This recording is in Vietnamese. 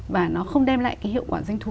và nó không đem lại cái hiệu quả doanh thu